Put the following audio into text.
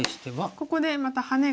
ここでまたハネが。